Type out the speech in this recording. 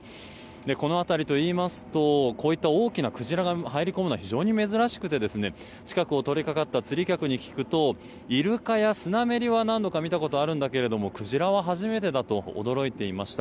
この辺りといいますとこういった大きなクジラが入り込むのは非常に珍しくて近くを通りかかった釣り客に聞くとイルカやスナメリは何度か見たことがあるんだけどクジラは初めてだと驚いていました。